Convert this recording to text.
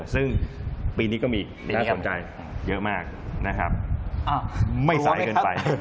ซึ่งปีนี้ก็มีน่าสนใจเยอะมากนะครับไม่สายเกินไป